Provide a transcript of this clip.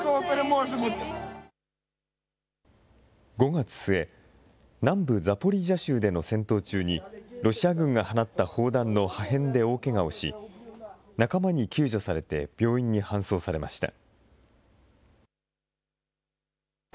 ５月末、南部ザポリージャ州での戦闘中に、ロシア軍が放った砲弾の破片で大けがをし、仲間に救助されて病院に搬送されました。